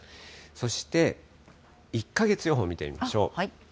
そして、１か月予報、見てみましょう。